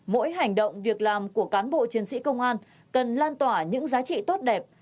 mỗi hành động việc làm của cán bộ chiến sĩ công an cần lan tỏa những giá trị tốt đẹp